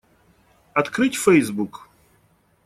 Открыть Facebook.